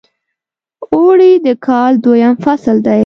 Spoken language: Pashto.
اوړی د کال دویم فصل دی .